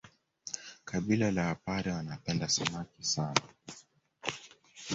Kabila la wapare wanapenda Samaki sana